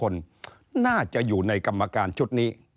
น่าจะอยู่ในกรรมการชุดนี้